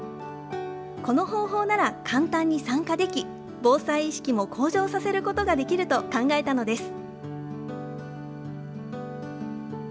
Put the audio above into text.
この方法なら簡単に参加でき、防災意識も向上させることができると考えたのです。